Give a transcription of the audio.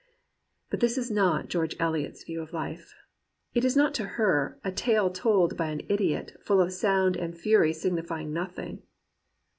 But this is not George Eliot's view of Kfe. It is not to her "a tale told by an idiot, full of sound and fury signifying nothing."